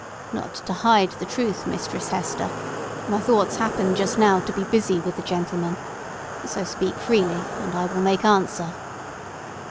"Not to hide the truth, Mistress Hester, my thoughts happen just now to be busy with the gentleman. So speak freely and I will make answer."